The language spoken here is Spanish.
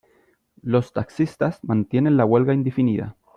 Los taxistas mantienen la huelga indefinida.